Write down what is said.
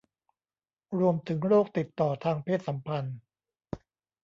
รวมถึงโรคติดต่อทางเพศสัมพันธ์